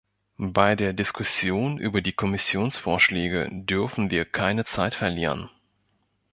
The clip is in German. Bei der Diskussion über die Kommissionsvorschläge dürfen wir keine Zeit verlieren.